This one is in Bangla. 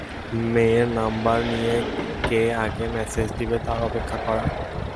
মেয়ের নম্বর নিয়ে কে আগে ম্যাসেজ দিবে তার অপেক্ষা করা।